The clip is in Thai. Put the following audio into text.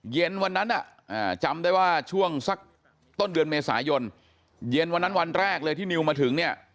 เย็นวันนั้นจำได้ว่าช่วงสักต้นเดือนเมษายนเย็นวันนั้นวันแรกเลยที่นิวมาถึงเนี่ย